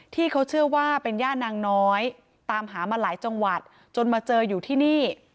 ที่เขาเชื่อว่าเป็นย่านางน้อยตามหามาหลายจังหวัดจนมาเจออยู่ที่นี่